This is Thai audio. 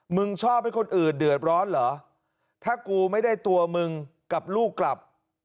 ชอบให้คนอื่นเดือดร้อนเหรอถ้ากูไม่ได้ตัวมึงกับลูกกลับ